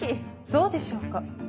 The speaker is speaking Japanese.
そうでしょうか。